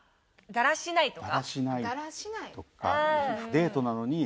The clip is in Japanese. だらしないとか。